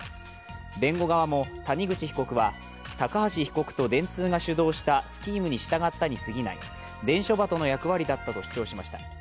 弁護側も谷口被告は、高橋被告と電通が主導したスキームに従ったにすぎないと伝書ばとの役割だったと主張しました。